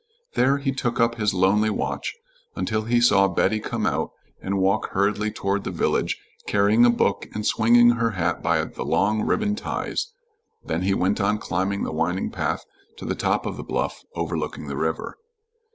There he took up his lonely watch, until he saw Betty come out and walk hurriedly toward the village, carrying a book and swinging her hat by the long ribbon ties; then he went on climbing the winding path to the top of the bluff overlooking the river.